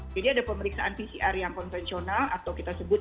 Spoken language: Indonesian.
ada pemeriksaan pcr yang konvensional atau kita sebut